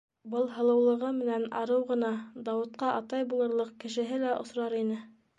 Был һылыулығы менән арыу ғына, Дауытҡа атай булырлыҡ кешеһе лә осрар ине...